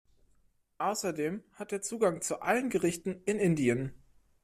Außerdem hat er Zugang zu allen Gerichten in Indien.